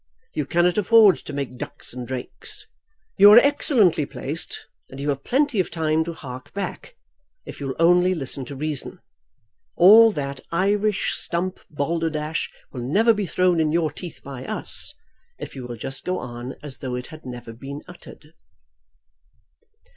You cannot afford to make ducks and drakes. You are excellently placed, and you have plenty of time to hark back, if you'll only listen to reason. All that Irish stump balderdash will never be thrown in your teeth by us, if you will just go on as though it had never been uttered."